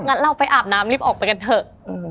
งั้นเราไปอาบน้ำรีบออกไปกันเถอะ